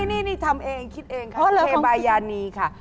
นี่ทำเองคิดเองค่ะเทบายานีค่ะ